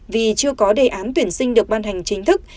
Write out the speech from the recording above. vì chưa có đề án tuyển sinh được ban hành chính thức